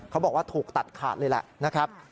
เขาบอกว่าถูกตัดขาดเลยแหละนะครับ